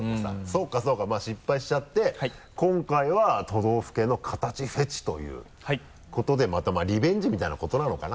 そうかそうかまぁ失敗しちゃって今回は都道府県の形フェチということでまたまぁリベンジみたいなことなのかな？